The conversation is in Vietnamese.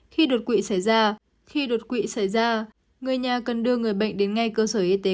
khi đột quỵ xảy ra người nhà cần đưa người bệnh đến ngay cơ sở y tế